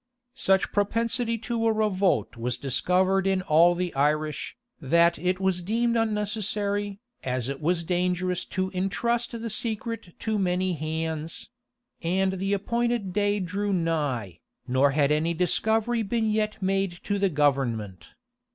[] Such propensity to a revolt was discovered in all the Irish, that it was deemed unnecessary, as it was dangerous to intrust the secret to many hands; and the appointed day drew nigh, nor had any discovery been yet made to the government.